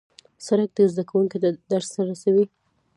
سړک زدهکوونکي درس ته رسوي.